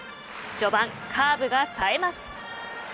序盤、カーブがさえます。